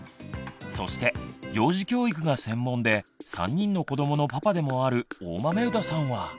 そして幼児教育が専門で３人の子どものパパでもある大豆生田さんは。